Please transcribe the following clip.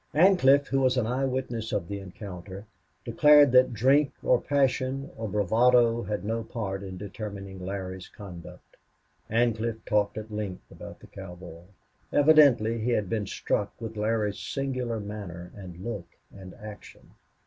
Ancliffe, who was an eye witness of the encounter, declared that drink or passion or bravado had no part in determining Larry's conduct. Ancliffe talked at length about the cowboy. Evidently he had been struck with Larry's singular manner and look and action.